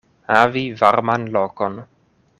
Havi varman lokon.